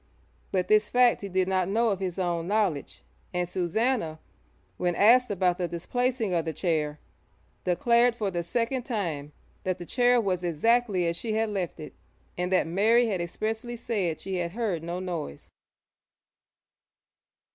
But this fact he did not know of his own knowledge, and Susannah, when asked about the displacing of the chair, declared for the second time that the chair was exactly as she had left it, and that Mary had expressly said she had heard no noise.